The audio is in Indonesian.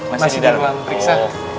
masih di dalam periksa